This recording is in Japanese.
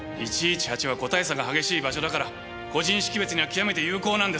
１１８は個体差が激しい場所だから個人識別には極めて有効なんです。